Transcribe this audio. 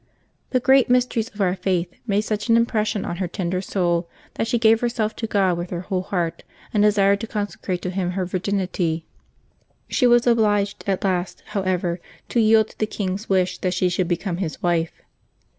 The great mysteries of our Faith made such an impression on her tender soul that she gave herself to God with her whole heart, and desired to consecrate to him her virginity; she 280 LIVES OF THE SAINTS [August 14 was obliged at last, however, to yield to the king's wish that she should become his wife.